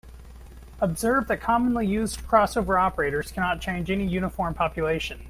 Observe that commonly used crossover operators cannot change any uniform population.